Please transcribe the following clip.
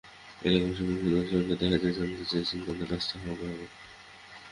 এলাকাবাসী কমিশনারদের সঙ্গে দেখা করে জানতে চেয়েছেন তাঁদের রাস্তা কবে হবে।